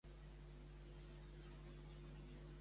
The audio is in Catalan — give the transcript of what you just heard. Digues si està actualitzada la meva la carta de vacunació.